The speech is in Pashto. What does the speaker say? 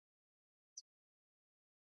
د ټولګیوالو په وړاندې دې ولولي.